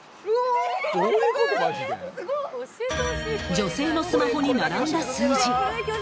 女性のスマホに並んだ数字。